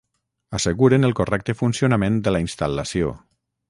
Asseguren el correcte funcionament de la instal·lació